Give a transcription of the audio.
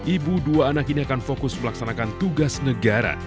ibu dua anak ini akan fokus melaksanakan tugas negara